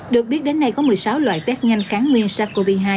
được biết đến nay có một mươi sáu loại test nhanh kháng nguyên sars cov hai